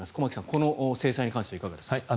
駒木さん、この制裁に関してはいかがですか？